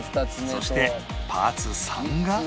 そしてパーツ３が